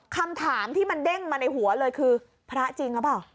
คำถามที่มันเด้งมาในหัวเลยคือพระจริงหรือเปล่า